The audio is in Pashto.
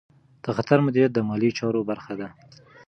د خطر مدیریت د مالي چارو برخه ده.